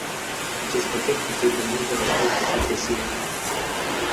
Acest pachet cuprinde multe aspecte progresive.